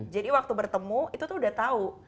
jadi waktu bertemu itu sudah tahu